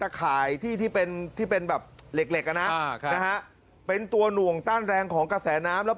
ตะขายที่เป็นแบบเหล็กนะครับเป็นตัวหน่วงต้านแรงของกระแสน้ำ